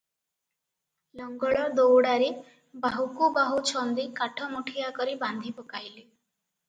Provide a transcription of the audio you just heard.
ଲଙ୍ଗଳ ଦଉଡ଼ାରେ ବାହୁକୁ ବାହୁ ଛନ୍ଦି କାଠମୁଠିଆ କରି ବାନ୍ଧି ପକାଇଲେ ।